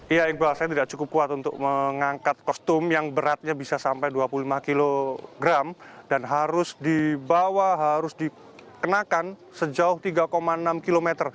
iya iqbal saya tidak cukup kuat untuk mengangkat kostum yang beratnya bisa sampai dua puluh lima kg dan harus dibawa harus dikenakan sejauh tiga enam km